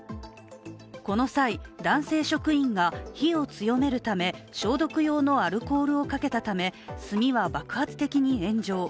この際、男性職員が火を強めるため消毒用のアルコールをかけたため炭は爆発的に炎上。